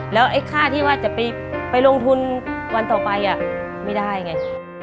แล้วไอ้ค่าที่ว่าจะไปลงทุนวันต่อไปไม่ได้ไง